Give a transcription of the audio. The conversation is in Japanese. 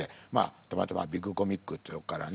たまたま「ビッグコミック」っていうとこからね